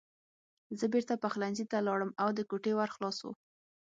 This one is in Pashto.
زه بېرته پخلنځي ته لاړم او د کوټې ور خلاص و